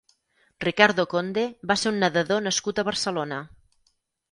Ricardo Conde va ser un nedador nascut a Barcelona.